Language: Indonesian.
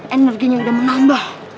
energinya udah menambah